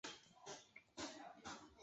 辖区内内有许多马牧场。